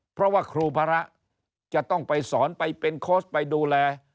เพราะว่าครูพระจะต้องไปสอนไปเป็นโค้ชไปดูแล